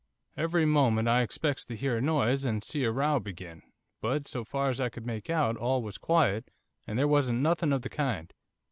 'Every moment I expects to hear a noise and see a row begin, but, so far as I could make out, all was quiet and there wasn't nothing of the kind.